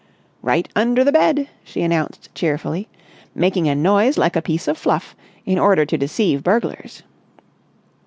"Right under the bed," she announced cheerfully, "making a noise like a piece of fluff in order to deceive burglars."